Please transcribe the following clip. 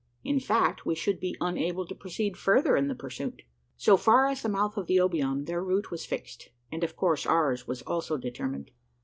In fact, we should be unable to proceed further in the pursuit. So far as the mouth of the Obion, their route was fixed; and of course ours was also determined.